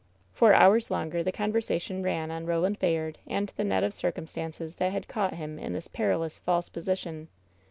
For hours longer the conversation ran on Roland Bay ard and the net of circumstances that had caught him in this perilous false position.